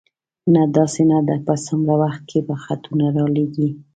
نه، داسې نه ده، په څومره وخت کې به خطونه را لېږې؟